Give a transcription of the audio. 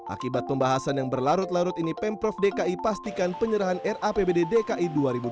akibat pembahasan yang berlarut larut ini pemprov dki pastikan penyerahan rapbd dki dua ribu dua puluh